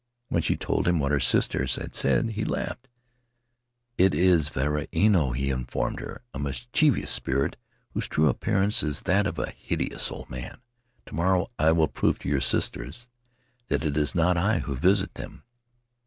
When she told him what her sisters had said, he laughed. 'It is a varua ino 9 9 he informed her, 'a mischievous spirit whose true appearance is that of a hideous old man. To morrow I will prove to your sisters that it is not I who visit them.'